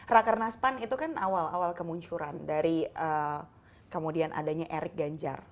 rakernas pan itu kan awal awal kemuncuran dari kemudian adanya erik ganjar